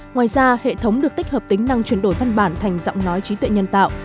ngoài ra hệ thống được tích hợp tính năng chuyển đổi văn bản thành giọng nói trí tuệ nhân tạo